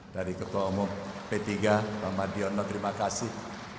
dari ketua umum p tiga pak mardiono terima kasih